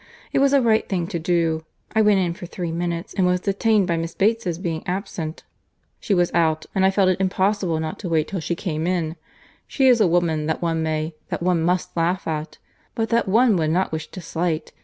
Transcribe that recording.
It was a right thing to do. I went in for three minutes, and was detained by Miss Bates's being absent. She was out; and I felt it impossible not to wait till she came in. She is a woman that one may, that one must laugh at; but that one would not wish to slight.